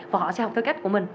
và họ sẽ học theo cách của mình